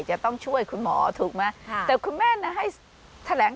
จะต้องช่วยคุณหมอถูกไหมแต่คุณแม่ให้แถลงข่าวแรกเลยว่า